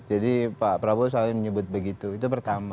jadi pak prabowo selalu menjemput begitu itu pertama